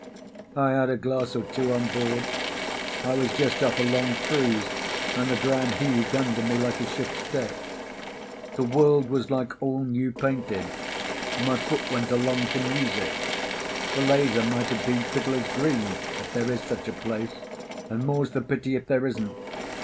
I had a glass or two on board; I was just off a long cruise, and the ground heaved under me like a ship's deck. The world was like all new painted; my foot went along to music; Falesá might have been Fiddler's Green, if there is such a place, and more's the pity if there isn't!